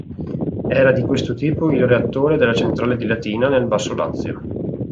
Era di questo tipo il reattore della centrale di Latina nel basso Lazio.